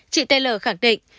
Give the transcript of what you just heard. chị t l khẳng định